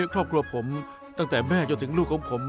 ครอบครัวผมตั้งแต่แม่จนถึงลูกของผม